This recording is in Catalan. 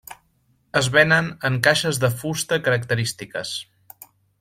Es venen en caixes de fusta característiques.